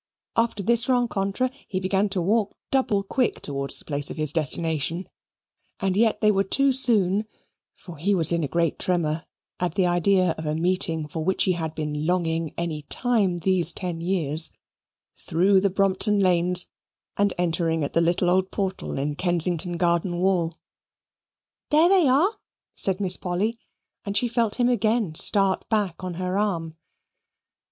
After this rencontre he began to walk double quick towards the place of his destination and yet they were too soon (for he was in a great tremor at the idea of a meeting for which he had been longing any time these ten years) through the Brompton lanes, and entering at the little old portal in Kensington Garden wall. "There they are," said Miss Polly, and she felt him again start back on her arm.